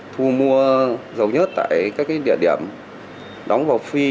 thu mua dầu nhất tại các địa điểm đóng vào phi